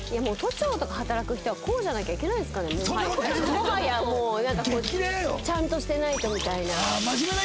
もはやちゃんとしてないとみたいな。